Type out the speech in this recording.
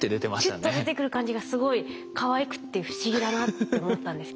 ピュッと出てくる感じがすごいかわいくって不思議だなって思ったんですけど。